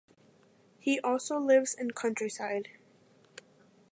He also lives in countryside.